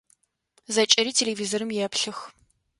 Зэкӏэри телевизорым еплъых.